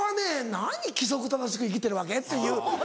「なに規則正しく生きてるわけ？」っていう。